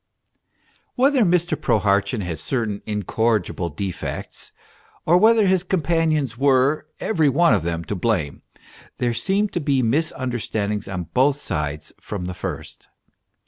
Whether Mr. Prohartchin had certain incorrigible defects, or whether his companions were, every one of them, to blame, there seemed to be misunderstandings on both sides from the first.